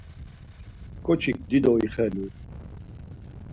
Ǩoçik dido ixelu.